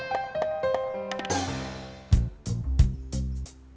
aku bakal ikut